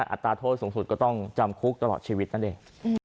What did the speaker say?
อัตราโทษสูงสุดก็ต้องจำคุกตลอดชีวิตนั่นเอง